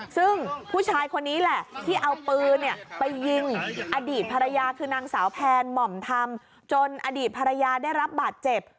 ซึ่งผู้ชายคนนี้แหละที่เอาปืนไปยิงอดีตภรรยาคือนางสาวแพนหม่อมธรรมจนอดีตภรรยาได้รับบาดเจ็บ